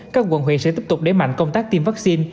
các quận huyện sẽ tiếp tục để mạnh công tác tiêm vaccine